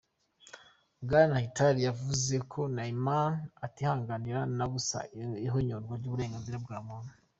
Bwana Htay yavuze ko Myanmar itihanganira na busa ihonyorwa ry'uburenganzira bwa muntu.